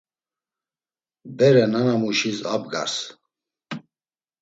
Bere nanamuşis abgars.